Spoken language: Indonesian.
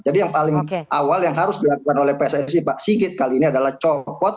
jadi yang paling awal yang harus dilakukan oleh pssi pak siki kali ini adalah copot